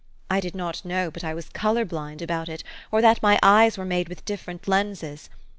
I did not know but I was color blind about it, or that my eyes were made with different lenses.